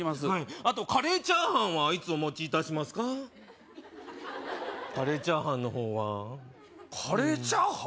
あとカレーチャーハンはいつお持ちいたしますかカレーチャーハンの方はカレーチャーハン？